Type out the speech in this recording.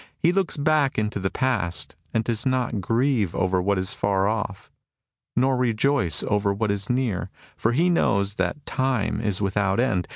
He looks back into the past, and does not grieve over what is far off, nor rejoice over what is near ; for he knows that time is without end.